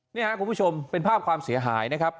นี่ครับคุณผู้ชมเป็นภาพความเสียหายนะครับ